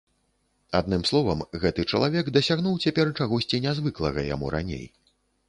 Адным словам, гэты чалавек дасягнуў цяпер чагосьці нязвыклага яму раней.